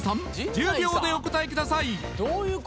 １０秒でお答えください陣内さん？